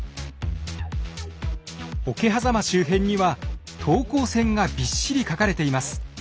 桶狭間周辺には等高線がびっしり描かれています。